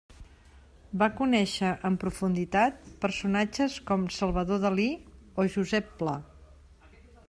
Va conèixer en profunditat personatges com Salvador Dalí o Josep Pla.